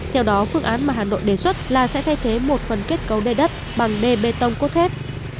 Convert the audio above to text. theo đó phương án mà hà nội đề xuất là sẽ thay thế một phần kết cấu nơi đất bằng đê bê tông cốt thép